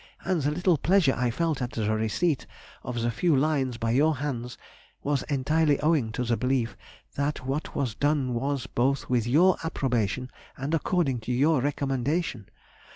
And the little pleasure I felt at the receipt of the few lines by your hands, was entirely owing to the belief that what was done was both with your approbation and according to your recommendation.